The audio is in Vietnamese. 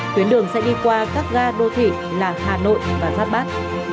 tuyến đường sẽ đi qua các ga đô thị là hà nội và giáp bát